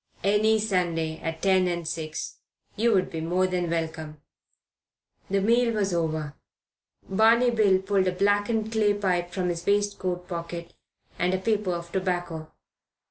"Any Sunday, at ten and six. You would be more than welcome." The meal was over. Barney Bill pulled a blackened clay pipe from his waistcoat pocket and a paper of tobacco.